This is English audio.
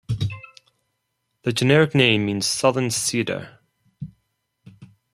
The generic name means "southern cedar".